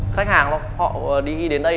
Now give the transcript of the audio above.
khách hàng họ đi đến đây